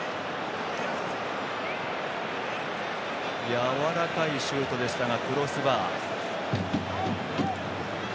やわらかいシュートでしたがクロスバー。